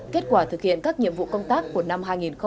kết quả thực hiện các nhiệm vụ công tác của năm hai nghìn hai mươi ba